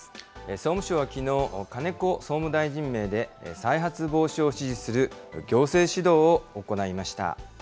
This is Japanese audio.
総務省はきのう、金子総務大臣名で、再発防止を指示する行政指導を行いました。